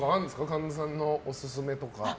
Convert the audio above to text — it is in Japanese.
神田さんのオススメとか。